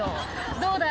「どうだ？